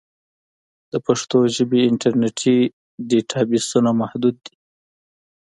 د پښتو ژبې انټرنیټي ډیټابېسونه محدود دي.